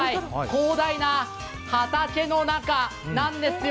広大な畑の中なんですよ。